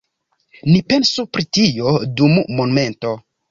Ni pensu pri tio dum momento.